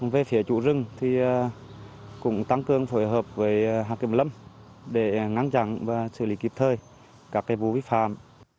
về phía chủ rừng thì cũng tăng cường phối hợp với hạt kiểm lâm để ngăn chặn và xử lý kịp thời các vụ vi phạm